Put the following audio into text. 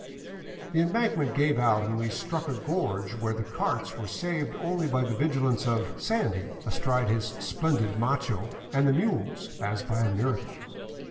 The embankment gave out, and we struck a gorge where the carts 514 k THE COLLASUYU, OR " UPPER " PERU were saved only by the vigilance of '* Sandy," astride his splendid macho, and the mules, as by a miracle.